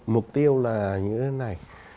mục tiêu là như thế này